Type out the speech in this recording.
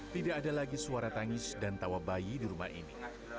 tidak ada lagi suara tangis dan tawa bayi di rumah ini